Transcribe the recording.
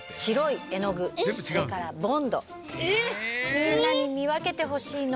みんなに見分けてほしいの。